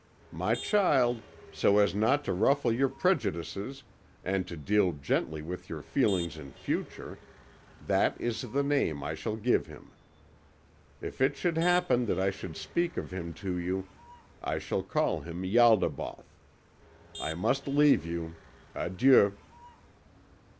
My child, so as not to ruffle your prejudices and to deal gently with your feelings in future, that is the name I shall give him. If it should happen that I should speak of him to you, I shall call him Ialdabaoth. I must leave you. Adieu."